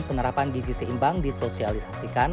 penerapan gizi seimbang disosialisasikan